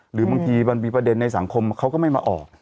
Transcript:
หรือบางทีมันมีประเด็นในสังคมเขาก็ไม่มาออก